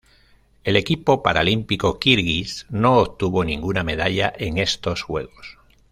El equipo paralímpico kirguís no obtuvo ninguna medalla en estos Juegos.